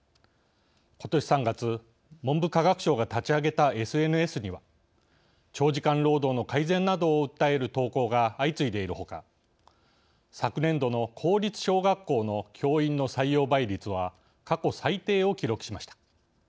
ことし３月、文部科学省が立ち上げたＳＮＳには長時間労働の改善などを訴える投稿が相次いでいるほか昨年度の公立小学校の教員の採用倍率は過去最低を記録しました。